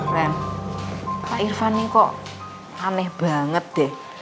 pak irfan ini kok aneh banget deh